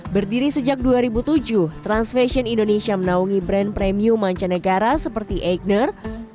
berdiri sejak dua ribu tujuh trans fashion indonesia menaungi brand premium mancanegara seperti eikner